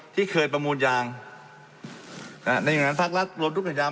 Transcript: ที่เคยประมูลยางอ่าในอย่างนั้นทักรัฐรวมทุกขณะยาว